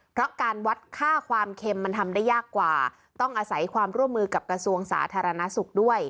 เพราะการวัดค่าความเค็มมันทำได้ยากกว่าต้องอาศัยความร่วมมือกับกระทรวงสาธารณสุขด้วย